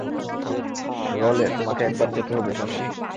রলে, তোমাকে একবার যেতে হবে শশী।